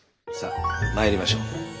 さあ参りましょう。